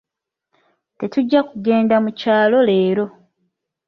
Tetujja kugenda mukyalo leero.